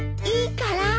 いいから。